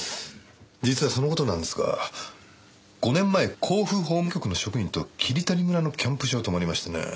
実はその事なんですが５年前甲府法務局の職員と霧谷村のキャンプ場に泊まりましてね。